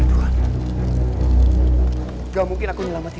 gak mungkin aku menyelamat tuh